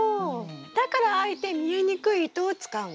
だからあえて見えにくい糸を使うんですね？